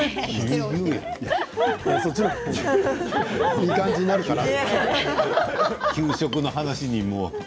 そっちの方がいい感じになるかなと思って。